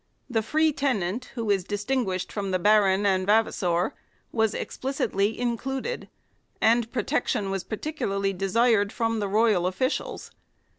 The free tenant, who is distinguished from the baron and va vassor, was explicitly included ; and protection was particularly desired from the royal officials.